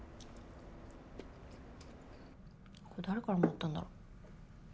これ誰からもらったんだろ？